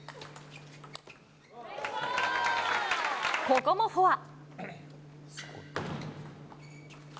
ここもフォア。